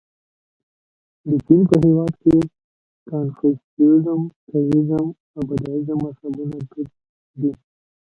د چین په هېواد کې د کنفوسیزم، تائویزم او بودیزم مذهبونه دود دي.